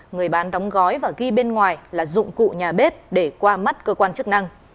người bán đóng gói và ghi bên ngoài là dụng cụ nhà bếp để qua mắt cơ quan chức năng